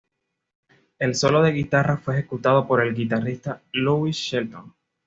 El solo de guitarra fue ejecutado por el guitarrista Louis Shelton.